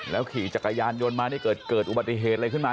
ขี่จักรยานยนต์มานี่เกิดอุบัติเหตุอะไรขึ้นมา